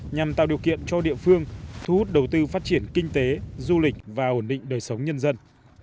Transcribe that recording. nhằm tạo điều kiện cho địa phương thu hút đầu tư phát triển kinh tế du lịch và ổn định đời sống nhân dân